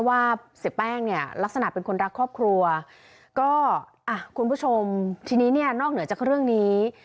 ว่าเสียแป้งเนี่ยลักษณะเป็นคนรักครอบครัวก็อ่ะคุณผู้ชมทีนี้เนี่ยนอกเหนือจากเรื่องนี้